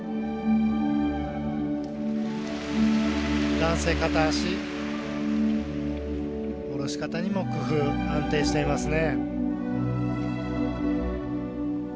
男性片足下ろし方にも工夫安定していますね。